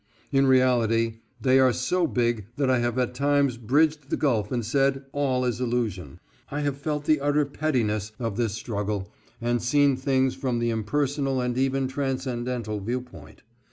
In reality they are so big that I have at times bridged the gulf and said, "All is illusion." I have felt the utter pettiness of this struggle and seen things from the impersonal and even transcendental viewpoint.